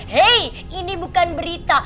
hei ini bukan berita